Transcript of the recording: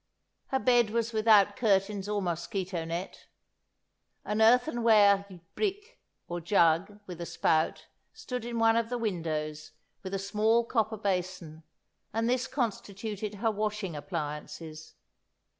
Her bed was without curtains or mosquito net. An earthenware ybrick, or jug, with a spout, stood in one of the windows, with a small copper basin, and this constituted her washing appliances.